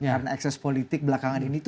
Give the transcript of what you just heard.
karena ekses politik belakangan ini